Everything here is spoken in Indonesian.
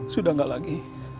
sudah nggak lagi